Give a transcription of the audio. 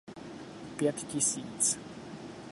Pět tisíc.